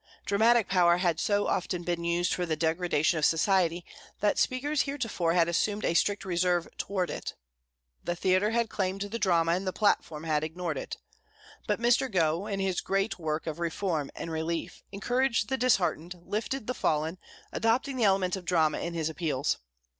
Dramatic power had so often been used for the degradation of society that speakers heretofore had assumed a strict reserve toward it. The theatre had claimed the drama, and the platform had ignored it. But Mr. Gough, in his great work of reform and relief, encouraged the disheartened, lifted the fallen, adopting the elements of drama in his appeals.